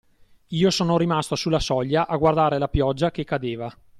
Io sono rimasto sulla soglia a guardare la pioggia che cadeva.